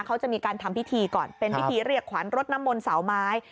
เขาจะมีการทำพิธีก่อนเป็นพิธีเรียกขวัญรถน้ำมนต์เสาไม้